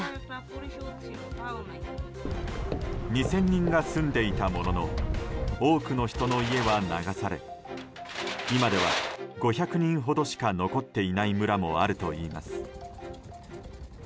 ２０００人が住んでいたものの多くの人の家は流され今では５００人ほどしか残っていない村もあるといいます。